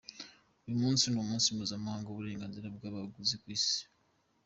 Uyu munsi ni umunsi mpuzamahanga w’uburenganzira bw’abaguzi ku isi.